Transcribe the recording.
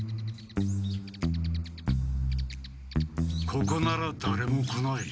ここならだれも来ない。